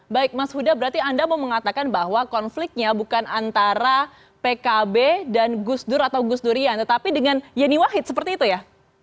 baik mas huda berarti anda mau mengatakan bahwa konfliknya bukan antara pkb dan gus dur atau gus durian tetapi dengan yeni wahid seperti itu ya